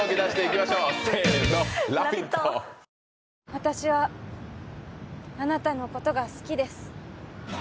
私はあなたのことが好きです